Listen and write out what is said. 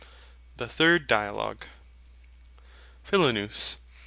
THE THIRD DIALOGUE PHILONOUS.